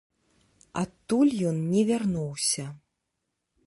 Адтуль ён не вярнуўся.